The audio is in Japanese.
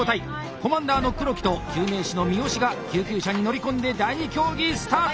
コマンダーの黒木と救命士の三好が救急車に乗り込んで第２競技スタート。